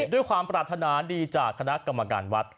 ด้วยความปรารถนาดีจากคณะกรรมการวัด